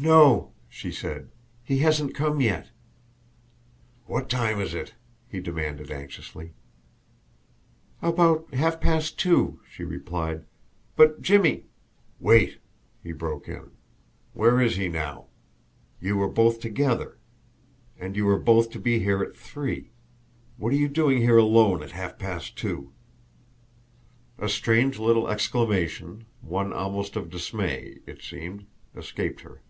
"No," she said. "He hasn't come yet." "What time is it?" he demanded anxiously. "About half past two," she replied. "But, Jimmie " "Wait!" he broke in. "Where is he now? You were both together! And you were both to be here at three. What are you doing here alone at half past two?" A strange little exclamation, one almost of dismay, it seemed, escaped her.